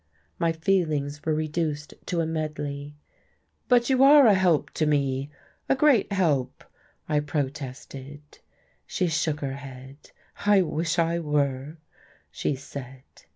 My feelings were reduced to a medley. "But you are a help to me a great help," I protested. She shook her head. "I wish I were," she said.